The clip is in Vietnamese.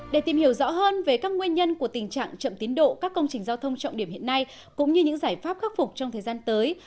để tìm hiểu rõ hơn về các nguyên nhân của tình trạng chậm tiến độ các công trình giao thông trọng điểm hiện nay cũng như những giải pháp khắc phục trong thời gian tới